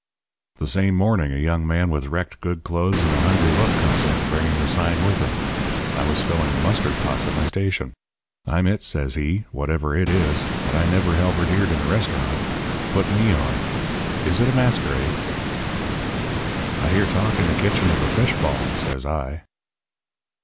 "The same morning a young man with wrecked good clothes and a hungry look comes in, bringing the sign with him. I was filling the mustard pots at my station. "'I'm it,' says he, 'whatever it is. But I never halberdiered in a restaurant. Put me on. Is it a masquerade?' "'I hear talk in the kitchen of a fishball,' says I.